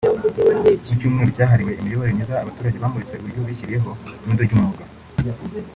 Mu cyumweru cyahariwe imiyoborere myiza abaturage bamuritse uburyo bishyiriyeho irondo ry’umwuga